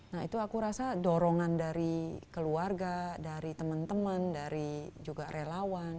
nah itu aku rasa dorongan dari keluarga dari teman teman dari juga relawan